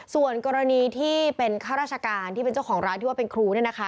ส่วนกรณีที่เป็นข้าราชการที่เป็นเจ้าของร้านที่ว่าเป็นครู